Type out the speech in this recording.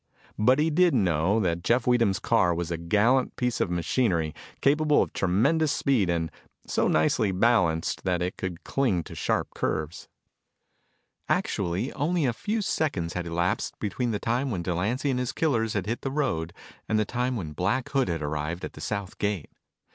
But he did know that Jeff Weedham's car was a gallant piece of machinery, capable of tremendous speed and so nicely balanced that it could cling to sharp curves. Actually, only a few seconds had elapsed between the time when Delancy and his killers had hit the road and the time when Black Hood had arrived at the south gate.